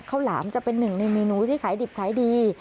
หลามจะเป็นหนึ่งในเมนูที่ขายดิบขายดี